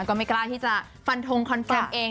ก็ไม่กล้าที่จะฟันทงคอนเฟิร์มเอง